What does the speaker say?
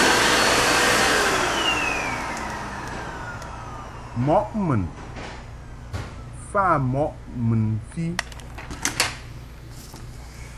Mɔʼ mun mfa mɔʼ mun mfɨ.